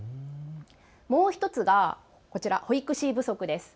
もう１つが、こちら保育士不足です。